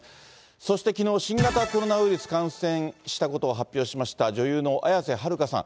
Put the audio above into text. そしてきのう、新型コロナウイルス感染したことを発表しました女優の綾瀬はるかさん。